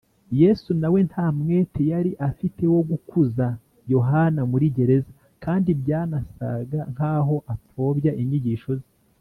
yesu na we nta mwete yari afite wo gukuza yohana muri gereza, kandi byanasaga nk’aho apfobya inyigisho ze